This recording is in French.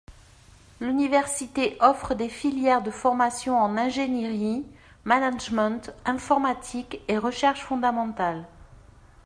L'université offre des filières de formation en ingénierie, management, informatique et recherche fondamentale.